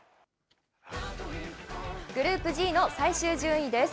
グループＧの最終順位です。